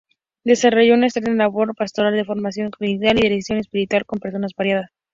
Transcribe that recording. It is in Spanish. Desarrolló una extensa labor pastoral de formación doctrinal y dirección espiritual con personas variadas.